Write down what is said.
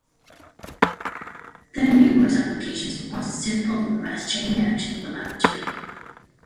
There are numerous applications for quantitative polymerase chain reaction in the laboratory.